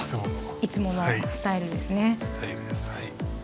いつものスタイルですね。